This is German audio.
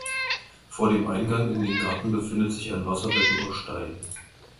Vor dem Eingang in den Garten befindet sich ein Wasserbecken aus Stein.